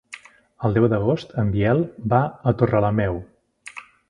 El deu d'agost en Biel va a Torrelameu.